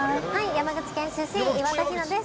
山口県出身、岩田陽菜です。